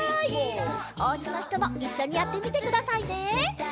おうちのひともいっしょにやってみてくださいね！